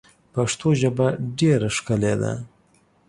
پښتو ژبه ډېره ښکلې ده.